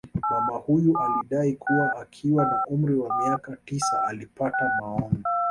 Mama huyu alidai kuwa akiwa na umri wa miaka tisa alipata maono